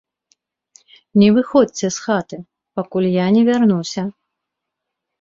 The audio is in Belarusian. Не выходзьце з хаты, пакуль я не вярнуся.